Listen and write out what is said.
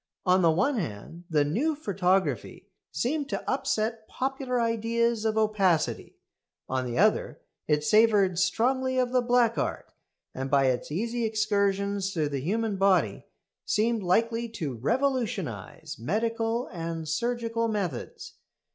On the one hand the "new photography" seemed to upset popular ideas of opacity; on the other it savoured strongly of the black art, and, by its easy excursions through the human body, seemed likely to revolutionise medical and surgical methods.